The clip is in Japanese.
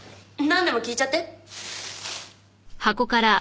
なんでも聞いちゃって。